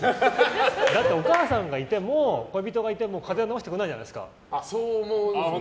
お母さんがいても恋人がいても風邪は治してくれないじゃないですか。